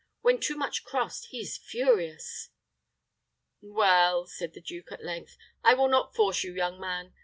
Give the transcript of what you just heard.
When too much crossed, he is furious." "Well," said the duke, at length, "I will not force you, young man.